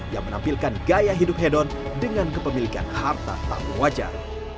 yang menampilkan gaya hidup hedon dengan kepemilikan harta tak wajar